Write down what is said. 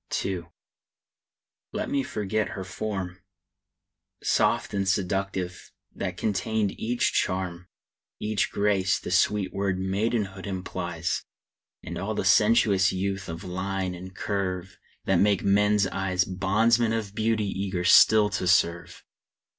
II. Let me forget her form! Soft and seductive, that contained each charm, Each grace the sweet word maidenhood implies; And all the sensuous youth of line and curve, That makes men's eyes Bondsmen of beauty eager still to serve.